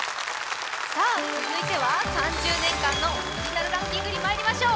さあ続いては３０年間のオリジナルランキングにまいりましょう。